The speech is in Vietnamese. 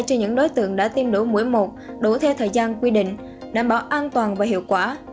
cho những đối tượng đã tiêm đủ mũi một đủ theo thời gian quy định đảm bảo an toàn và hiệu quả